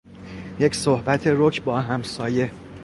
یک صحبت رک با همسایه